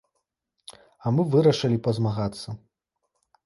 А мы вырашылі пазмагацца.